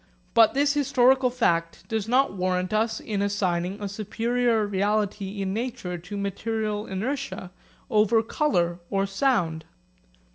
But this historical fact does not warrant us in assigning a superior reality in nature to material inertia over colour or sound.